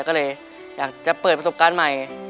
ก็เลยอยากจะเปิดประสบการณ์ใหม่